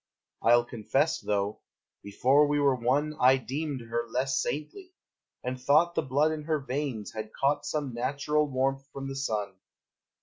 I'll confess, though, before we were one, I deemed her less saintly, and thought The blood in her veins had caught Some natural warmth from the sun.